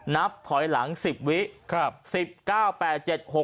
นับถอยหลัง๑๐วิ๑๙แปล๗๖๕๔๓๒๑